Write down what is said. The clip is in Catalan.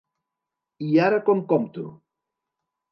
I ara com compto?